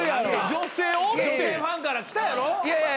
女性ファンから来たやろ？